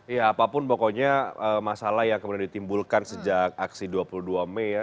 ya apapun pokoknya masalah yang kemudian ditimbulkan sejak aksi dua puluh dua mei ya